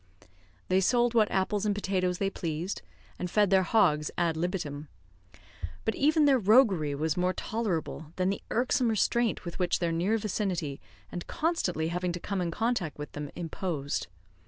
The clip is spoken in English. They sold what apples and potatoes they pleased, and fed their hogs ad libitum. But even their roguery was more tolerable than the irksome restraint which their near vicinity, and constantly having to come in contact with them, imposed.